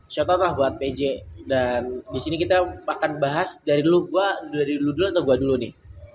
shout out lah buat pj dan disini kita akan bahas dari dulu gue atau dari dulu gue dulu nih